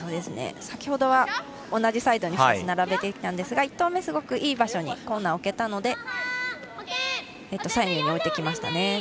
先ほどは同じサイドに２つ並べていったんですが１投目、すごくいい場所にコーナーを置けたので左右に置いてきましたね。